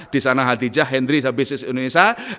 di sana adhijah hendry business indonesia